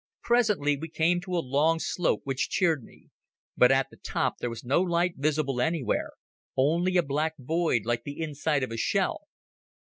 Presently we came to a long slope which cheered me. But at the top there was no light visible anywhere—only a black void like the inside of a shell.